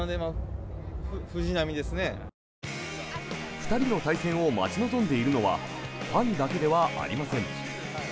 ２人の対戦を待ち望んでいるのはファンだけではありません。